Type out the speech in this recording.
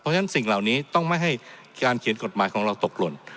เพราะฉะนั้นสิ่งเหล่านี้ต้องไม่ให้การเขียนกฎหมายของเราตกหล่น